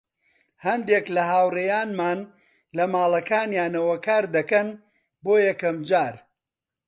هەندێک لە هاوڕێیانمان لە ماڵەکانیانەوە کاردەکەن، بۆ یەکەم جار.